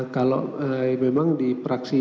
kalau memang di praksi